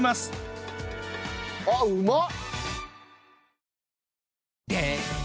あっうまっ！